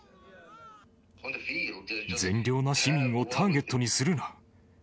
善良な市民をターゲットにするな。